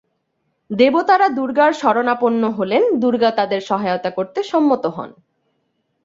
দেবতারা দুর্গার শরণাপন্ন হলেন দুর্গা তাদের সহায়তা করতে সম্মত হন।